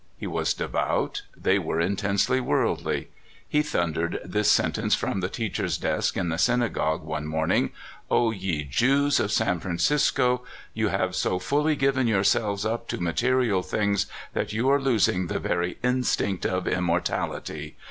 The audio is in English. He wit* devout, and they were intensely worldly. Ho (153) 154 CALIFORNIA SKETCHES. thundered this sentence from the teacher's desk in the synagogue one morning :" O ye Jews of San Francisco, you have so fully given yourselves up to material things that you are losing the very in stinct of immortality.